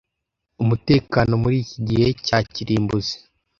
umutekano muri iki gihe cya kirimbuzi.